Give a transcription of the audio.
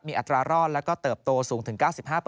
มีอัตรารอดแล้วก็เติบโตสูงถึง๙๕